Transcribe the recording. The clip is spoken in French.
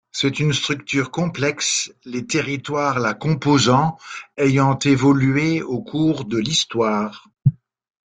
C'est une structure complexe, les territoires la composant ayant évolué au cours de l'histoire.